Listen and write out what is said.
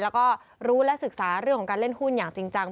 แล้วก็รู้และศึกษาเรื่องของการเล่นหุ้นอย่างจริงจัง